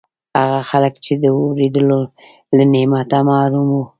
هغه خلک چې د اورېدو له نعمته محروم وو